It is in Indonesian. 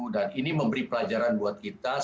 ini memberi pelajaran buat kita